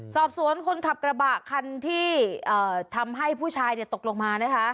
สอบสวนคนขับกระบะคันที่ทำให้ผู้ชายตกลงมา